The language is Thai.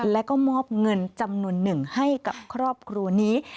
แล้วก็มอบเงินจำนวนหนึ่งให้กับครอบครัวนี้